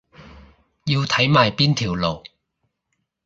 要睇埋邊條路